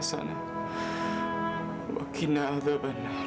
dan kita akan benar